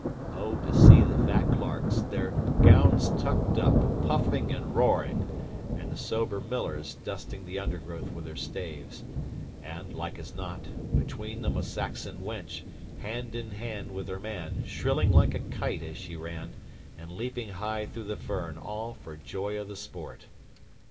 Oh, to see the fat clerks, their gowns tucked up, puffing and roaring, and the sober millers dusting the under growth with their staves; and, like as not, between them a Saxon wench, hand in hand with her man, shrilling like a kite as she ran, and leaping high through the fern, all for joy of the sport.